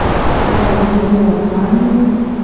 ایا موږ یو افغان یو؟